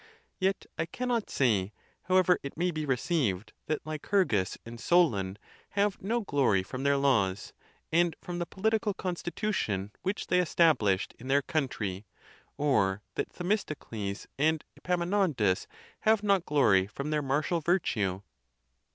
. Yet I cannot say, how ever it may be received, that Lycur gus and Solon have no 'glory from their laws, and fr om the political constitution which they established in their country; or that Themis tocles and Epaminondas have not glory from their martial virtue.